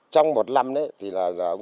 trong một năm thì là ông sành